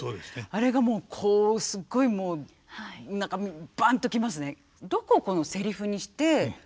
あれがもうこうすごいもう何かバンと来ますね。